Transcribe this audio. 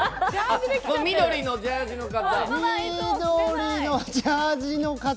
緑のジャージーの方？